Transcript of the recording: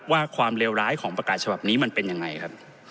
ความเลวร้ายของประกาศฉบับนี้มันเป็นยังไงครับ